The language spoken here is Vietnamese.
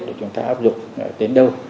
để chúng ta áp dụng đến đâu